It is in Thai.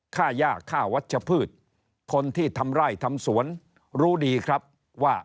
ค่าย่าค่าวัชพืชคนที่ทำไร่ทำสวนรู้ดีครับว่า